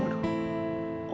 jangan sampai bodoh